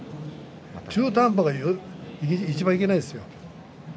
中途半端がいちばんいけないですよ。